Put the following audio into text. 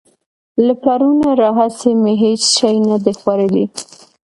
له پرونه راهسې مې هېڅ شی نه دي خوړلي.